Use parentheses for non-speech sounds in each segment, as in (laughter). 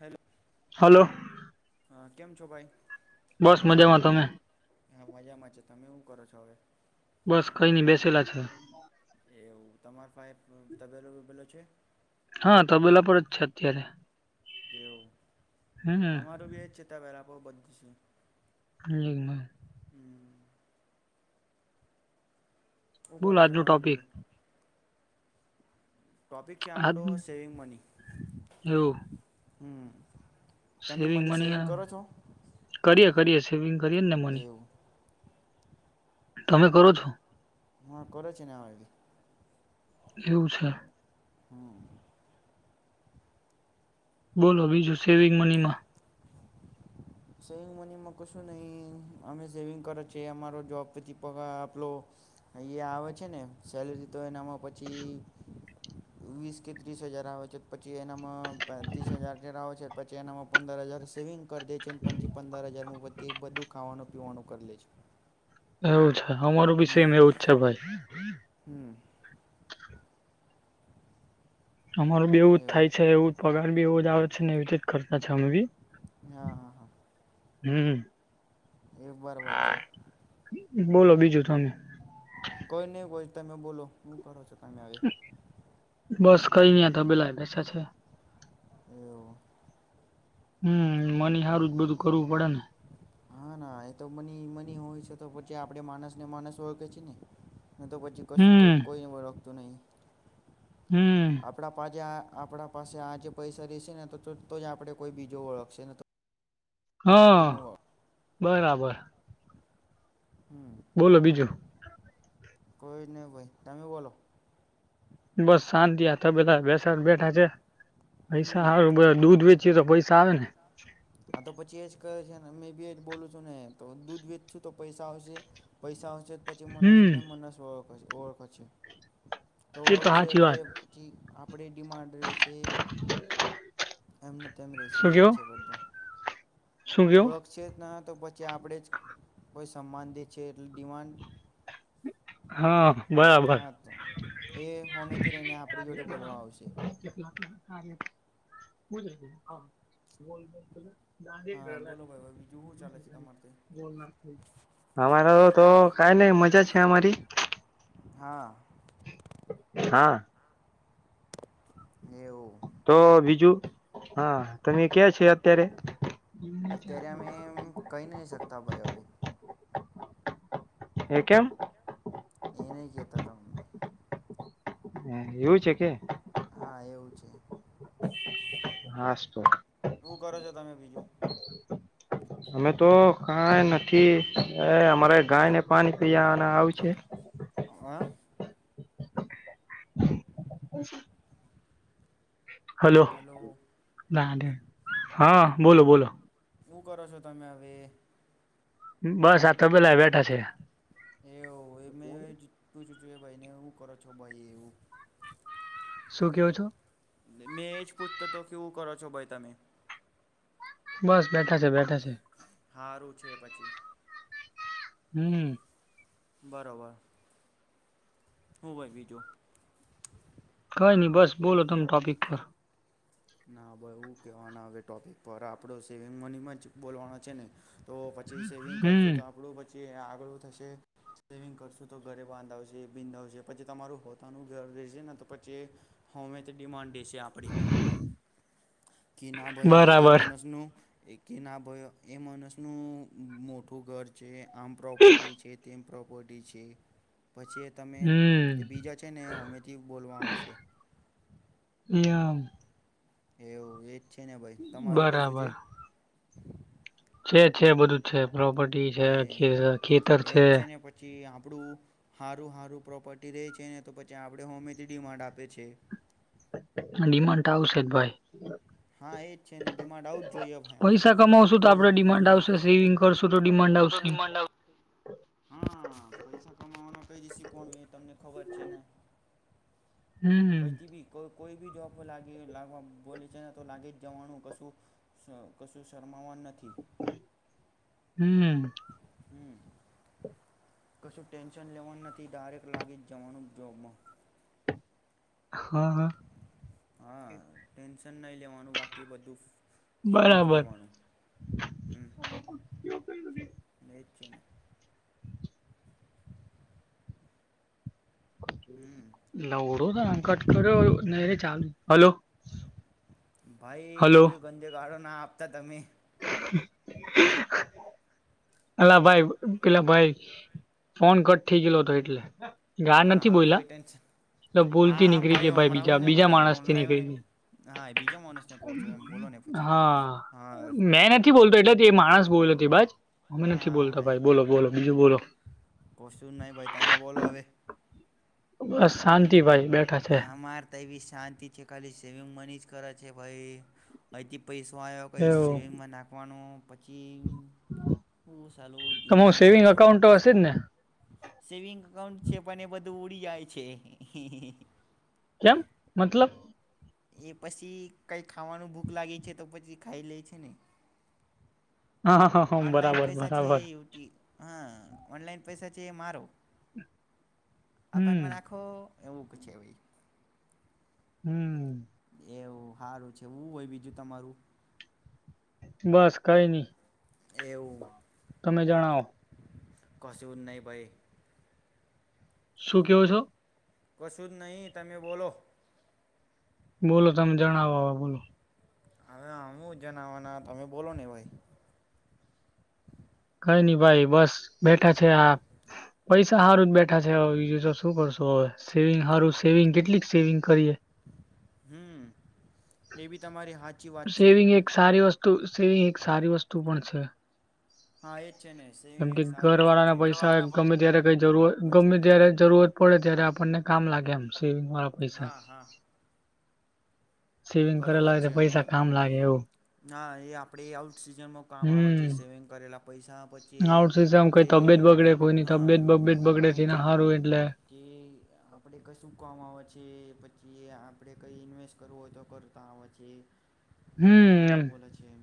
Hello ફલો હા કેમ છો ભાઈ મજામાં તમે હા મજામાં છે તમે એવું કરો છો હવે બસ કઈ નઈ બેસેલા છે એવું તમાર પા તબેલો વબેલો છે હા તો બેલા પર જ છે અત્યારે એવું હમ અમારું બી એજ છેતા પેલા બહ બધું છે લમ હમ શું બોલ કરો છો આજનું તમે ટોપિક બીજું ટોપિક છે આજ આપણો સેવિંગ મની એવું હ સેવિંગ મની કરીએ કરીયે સેવિંગ કરીએ ને મની એવું તમે કરો છો હા કર છેને એ એવું છે હમ બોલો બીજું સેવિંગ મનીમાં. સેવિંગ મનીમાં કશું નહી અમે સેવિંગ કરે છીએ અમારો જોબ પથી પગાર આપલો. અહીંયા આવે છે ને સેલેરી. તો એનામાં પછી વીસ કે ત્રીસ હજાર આવે છે પછી એ એમા પેત્રીસ હજાર ઘરે આવે છે પછી એનામાં પંદર હજાર સેવિંગ કરી દે. તે પછી પંદર હજારમાં બધી બધું ખાવાનું પીવાનું કરી લેશું. એવું છે અમારું બી સેમ એવું જ છે ભાઈ. હમ અમારું બી એવું જ થાય છે એવું પગાર બી એવો જ આવે છે ને એવી રીજ કરતા છે અમે બી. હા હા હા. હમ્મ. એક બાર વાત છે બોલો બીજું તમે કોઈ નહી કોઈ તમે બોલો હું કરો છો? તમે હવે બસ કરી ની આ તબેેલાએ બેસા છે. એવું. હમ્મ મની હારુ જ બધું કરવું પડે ને. હા ના એતો મની મની હોય છે તો પછી આપણે માણસ ને માનસ ઓળખે છે ને. ની તો પછી કશું કોઈ હમ કોઈને ઓળકતું નહીં. હમ આપડા પાછા આપણા પાસે આજે પૈસા રહેશે ને તો તો જ આપણેે કોઈ બીજો ઓળખશે ને તો. હા કોઈને ઓળખ બરાબર. હમ બોલો બીજું. કોઈ નહી ભાઈ તમે બોલો. બસ શાંતિ આ તબેલા બેસાડ બેઠા છે પૈસા હમ આવે બસ દૂધ વેચ ચી તો પૈસા આવે ને. આ તો પછી એજ કરહે છે મેં બી એજ બોલું છું ને તો દૂધ વેચ છું તો પૈસા આવશે પૈસા આવશે. પછી મનસ હમ ને મનસ ઓળખ ઓળખ છે. તો એ ઓળખશે હાચી એટલે વાત પછી આપણેે ડિમાન્ડ રહેેશે. એમનો તેમમ રેશે શું એવું જ કેવો છે પડધું. શું કેવો ઓળખ છે જ ના તો પછી આપણેે જ. કોઈ સમાન દે છે એટલે ડિમાન્ડ. હા. હા તો એ. હોમેથી રહીને આપણી જોડે બોલવા લા. આવશે બ હા બોલ ત ગાંધ હા ગલા. બોલો ભાઈ ભાઈ બીજું શું ચાલે છે તમારે અમારા તો કઈ નઈ મજા છે અમારી. હા હા. એવું. તો બીજું. હા, તમે ક્યા છો. અત્યારે અમે એમ કઈ નઈ શકતા ભાઈ હવે. એ કેમ? એ નઈ કેતા તમને. એ એવું છે કે? હા એવું છે. હાાસ તો. એવું કરો છો તમે બીજું. (inaudible) અમે તો કઈ નથી અમારે ગાય ને પાણી પયા અને આવ છે. હ (unintelligible) હલો હેલો હા બોલો બોલો. શું કરો છો તમે હવે. બસ. આ તબેલા બેઠા છે. એવ એું. જો બાઈને ઉું કરર છો ભાઈ હું. શું કેવો છો. મેં એ જ પૂછતો તો કેવું કરો છો ભાઈ તમે. બસ બેઠા છે, બેઠા છે. હારું છે, પછી. હમ બરોબર હું ભાઈ બીજું કઈ નહી બસ બોલો તમે ટોપિક પર ના ભાઈ હું કેવાના હવે ટોપિક પર આપડો સેવિંગ મનીમાં જ બોલવાનો છે ને. તો પછી સેવિંગ કરશું તો હમ આપણું પછી આગળ હુ થશે? સેવિંગ કરશું તો ઘરે બાંધાવશે બિંધાવશે પછી તમારું પોતાનું ઘર રહેશેને તો પછી હોમેથી ડિમાન્ડ દેશે આપણી. કી ના ભય એ બરાબર મણસનું એ કી ના ભય એ માણસનું મોટું ઘર છે. આમ પ્રોપર્ટી છે તેમ પ્રોપર્ટી છે. પછી એ તમે હમ એ બીજા છે ને હોમેથી બોલવા આવશે. યામ. એવું એજ છે ને ભાઈ તમારું કશું બરાબર છે? છે છે બધું જ છે પ્રોપર્ટી છે, એ ખે ખેતર એ જ છે. ને પછી આપણું હારું હારું પ્રોપર્ટી રેય છે ને તો પછી આપણે હોમેથી ડિમાન્ડ આપે છે. હ ડિમાન્ડ આવશે જ ભાઈ. હા એજ છે ને ડિમાન્ડ આવું જ જોઈએ ભાઈ આપડી પૈસા કમાવશું તો જ આપડે ડિમાન્ડ આવશે સેવિંગ કરશું તો સેવિન્ગ કરશો ડિમાન્ડ તતતો આવશે ડિમાન્ડ આવ સ પૈસા કમાવાના કઈ જીસી કોણ હોય એ તમને ખબર છે ને? હમ કઈ થી બી કો કોઈ બી જોબ લાગી બોલે છે ને તો લાગી જ જવાનું કશું કશું શર્મા વાનું નથી. હમ્મ. હમ કશું ટેન્શન લેવાનું નથી ડાયરેક લાગી જ જવાનું જોબમાં. હ હ. હ ટેન્શન નઈ લેવાનું બાકી બધું ફ્રી જ બરાબર રેવાનું હમ્મ એજ છે. હમ નવરો કામકાજ કર્યો નઈ રે ચાલુ હલો. ભાઈ હલો એવી ગંદીગાળો ના આપતા તમે. (inaudible) અલા ભાઈ પેલા ભાઈ ફોન કટ થઈ ગયલો હતો એટલે. હા હા કોઈ ટેન્શન તો ભૂલ થી હા નીકળી ગયા ભાઈ બીજા હમરાવ્યું ને બીજા મને માણસ થી હમરાયું ને નીકળી હા એ બીજા માણસને કહો છો એમ બોલો ને પછી હા હા મેં નથી બોલતો એટલે એ માણસ બોલ નથી બાજ અમે નથી બોલતા હા એ ભાઈ બોલો બોલો બીજું હા બોલો. કશું નહીં ભાઈ તમે બોલો હવે બસ શાંતિ ભાઈ. બેઠા છે હા અમાર તો એવી શાંતિ છે ખાલી સેવિંગ મની જ કર છે ભાઈ અહીંથી પૈસો આયો કંઈ એવું સેવિંગમાં નાખવાનો પછી ઓ સાલું જીન તમારું તીન સેવિંગ પૈસો અકાઉન્ટ તો વાપીસ હશે કર જ ને સેવિંગ એકાઉન્ટ છે પણ એ બ તો ઉડી જાય છે. કેમ મતલબ એ પસી કંઈ ખાવાનું ભૂખ લાગે છે તો પછી ખાઈ લે છે ને. હા હા હા ઓનલાઈન બરાબર પૈસા છે બરાબર ઈ યુ ટી હા ઓનલાઈન પૈસા ચે મારો હમ એકાઉન્ટમાં નાખો એવું પછી આવી. હમ્મ. એવું હારું છે હુ હોય બીજું તમારું. બસ કઈ ની, એવું તમે જણાવો. કશુ જ નઈ ભાઈ. શું કેવો છો. કશું જ નહી તમે બોલો. બોલો તમે જણાવો બોલો. હવે આમું જણવાના તમે બોલો ને ભાઈ. કઈ નઈ ભાઈ બસ બેઠા છે આ પૈસા સારું જ બેઠા છે હવે બીજું શું કરશો હવે સેવિંગ સારું સેવિંગ કેટલીક સેવિંગ કરીએ હમ્મ એ બી તમારી હાચી વાત છે. તો સેવિંગ એક સારી વસ્તુ પણ છે. હા એ જ છે ને કેમ સેવિંગ કે એક સારી ઘર વસ્તુ વાળા ના છે પૈસા એટલે ગમે ત્યારે કઈ જરૂરત બચા ગમે ત્યારે જરૂરત પડે ત્યારે આપણને કામ લાગે એમ સેવિંગ વાળા પૈસા. હા હા સેવિંગ કરે બરોબર લા છે પૈસા કામ લાગે એવું. ના એ આપડે એ આઉટ સિજનમાં કામ આવે છે હમ સેવિંગ કરેલા પૈસા પછી એ આઉટ સીઝનમાં કઈ આપણે તબિયત બગડે કોઈની હા તબિયત બાબીયત બગડે ને હારું એટલે. એ આપણે કશું (unintelligible) આવે છે પછી એ આપ આપણેે કઈ ઇન્વેસ્ટ કરવું હોય તો કરતા આવા જોઈએ. આપડ હમ હું એમ બોલે છે એમ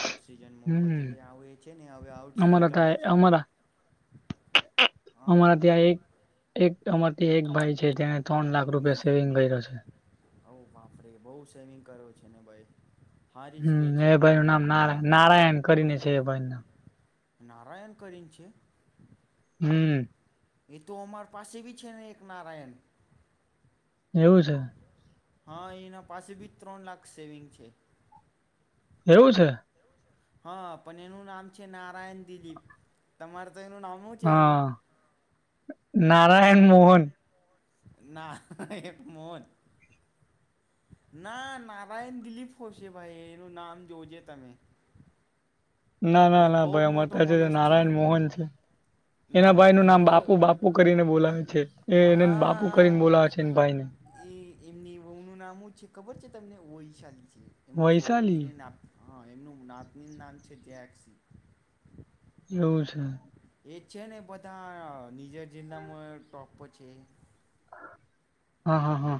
આર્ટ સિઝનમાં પછી હમ આવું એજ છે ને હવે આઉટ સિઝન અમારા ચાલતો છે. એ હા અમારા ત્યાં એક એક અમારથી એક ભાઈ છે તેને ત્રણ લાખ રૂપિયા સેવિંગ કર્યો છે. હો બાપ રે બઉ સેવિંગ કર્યો છે ને ભાઈ. હારી જ કે હું એ છે ત્રણ ભાઈનું નામ લાખ નારા મજે નારાયણ કરીને એનો છે એ ભાઈ નું નામ. નારાયણ કરીન છે. હમ્મ. એ તો અમાર પાસે ભી છે ને એક નારાયણ. એવું છે. હા એના પાસે ભી ત્રણ લાખ સેવિંગ છે. એવું છે. હા પણ એનું નામ છે નારાયણ દિલીપ તમાર એનું નામું હું છે એનું હા નારાયણ મોહન. ના એક મોન ના નારાયણ દિલીપ હોશે ભાઈ એનું નામ જોજે તમે. ના ના એ ના બહુ ભાઈ અમારે મોટો ત્યાં મનસ છે નારાયણ મોહન છે એના ના ભાઈ ન એ નામ બહુ બાપુ બાપુ કરીને બોલાવે છે એ એને હા બાપુ કરીને બોલાવે છે એ ભાઈને એ એમની વહુ નું નામ જ છે ખબર છે તમને વૈશાલી છે એમનું છો વૈશાલી એની નાત હા એમનું નાત નામ છે (inaudible) એવું છે એજ છે ને બધા નીજર જેનામાં ટોપો છે. હા હા હા.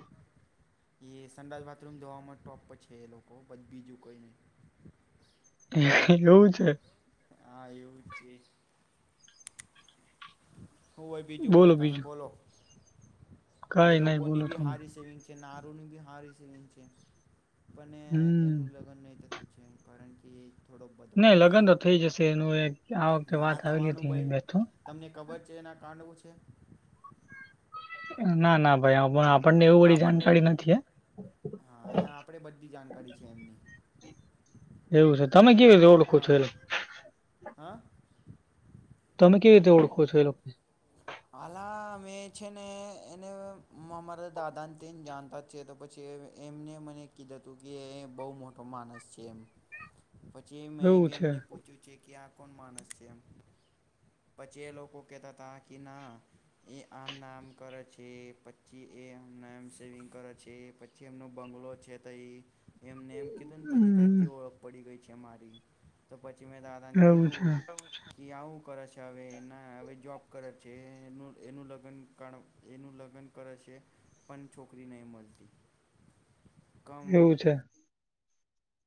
એ સાંડસ બાથરૂમ ધોવામાં ટોપ પર છે એ લોકો બધ બીજું કોઈ નહીં. એવું છે. હા એવું જ છે. હું ભાઈ બીજું બોલો ભાઈ તમે બીજું બોલો. એ કઈ નઈ લોકોની બોલો બી તમે હારી સેવિંગ છે નરુ ની બી હારી સવિંગ છે. પણ હમ એનું લગ્ન નહી થતું છે એમ કારણ કે થોડો નહી બદમાશ લગ્ન તો છે થઈ જશે એનું આ વખતે ના વાત આવેલી હતી એની બેઠો જેના કાંડવું છે. ના ના ભાઈ આભ અપ હા એ આપણે બધી જાણકારી છે એમની એવું છે તમે કેવી રીતે ઓળખો છો હા એને હા તમે કેવી રીતે ઓળખો છો એ લોકો હાલા અમે છે ને એને અમારા દાદા ને તેને જાણતા જ છેએ તો પછી એમને મને કીધું હતું કે બહુ મોટો માણસ છે એમ પછી મેં એ એવું બી છે એમને પૂછ્યું છે કે આપ કો માણસ છે એ પછી એ લોકો કેતા કે ના એ આમ નામ કરે છે પછી એમ નામ સેવિંગ કરે છે પછી એમનો બંગલો છે તો એ એમને એમ કીધું ને પછી હમ તરતી ઓળખ પડી ગઈ છે મારી પછી મેં દાદા ને એવું છે કીધું કે આવું કરે છે હવે હવે જોબ કરે છે એનું એનું લગ્ન ક એનું લગ્ન કરે છે પણ છોકરી નહીં મળતી (inaudible) કમ એવું છે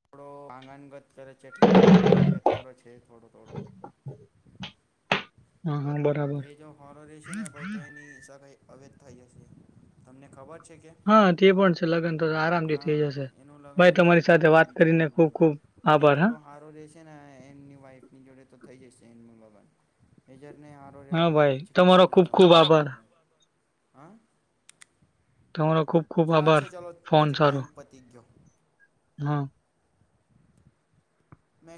થોડો આંગનંગત કરે છે એટલા પાગલની ગત કરે છે એ થોડો થોડો હા હા બરાબર એ જો હોરો રેશેને ભઈ તો એની સગાઈ હવે થઈ જશે તમને ખબર છે? કે હહ તે પણ છે, લગ્ન તો તો આરામથી થઈ હા જશે. એનું ભાઈ તમારી સાથે વાત કરીને ખુબ ખુબ પન એ આભાર હા થોડો હારો રેશે ને એમની વાઈફની જોડે તો થઈ જશે એમનું લગ્ ગન (inaudible) હા ભાઈ તમારો ખૂબ ખૂબ આભાર. હા તમારો ખુબ ખુબ આભાર ચાલસે ચલો પછી ટાઈમ પતી ગયો. હહ મેં